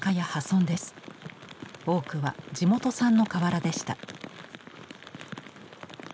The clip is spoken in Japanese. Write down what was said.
多くは地元産の瓦でした。